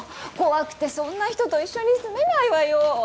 怖くてそんな人と一緒に住めないわよ。